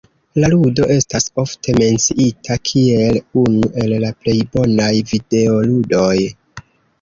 La ludo estas ofte menciita kiel unu el la plej bonaj videoludoj.